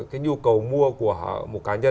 cái nhu cầu mua của một cá nhân